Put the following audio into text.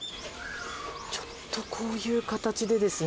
ちょっとこういう形でですね。